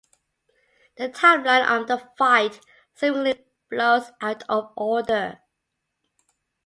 The timeline of the fight seemingly flows out of order.